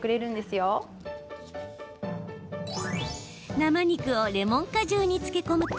生肉をレモン果汁に漬け込むと